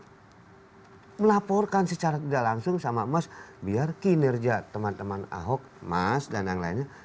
saya melaporkan secara tidak langsung sama mas biar kinerja teman teman ahok mas dan yang lainnya